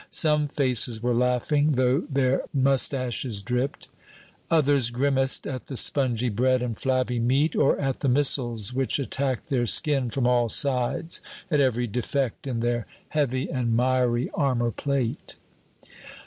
Some faces were laughing, though their mustaches dripped. Others grimaced at the spongy bread and flabby meat, or at the missiles which attacked their skin from all sides at every defect in their heavy and miry armor plate.